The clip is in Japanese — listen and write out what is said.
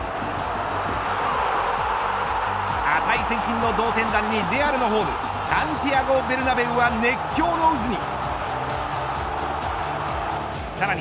値千金の同点弾にレアルのホームサンティアゴ・ベルナベウは熱狂の渦に。